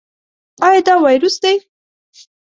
ایا دا وایروس دی؟